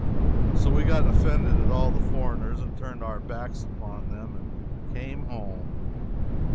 So we got offended at all foreigners and turned our backs upon them and came home.